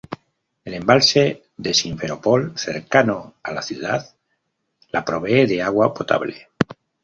El embalse de Simferópol, cercano a la ciudad, la provee de agua potable.